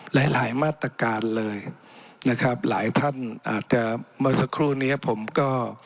หลายหลายมาตรการเลยนะครับหลายท่านอาจจะเมื่อสักครู่เนี้ยผมก็